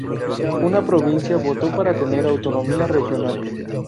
Una provincia votó para tener autonomía regional.